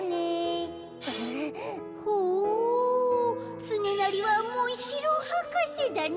ほうつねなりはモンシローはかせだね。